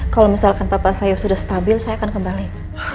kalau misalkan papa saya sudah stabil saya akan kembali